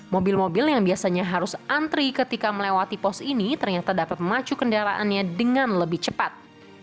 mobil mobil yang biasanya harus antri ketika melewati pos ini ternyata dapat memacu kendaraannya dengan lebih cepat